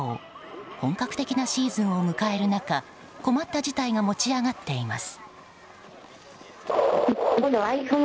本格的なシーズンを迎える中困った事態が持ち上がっています。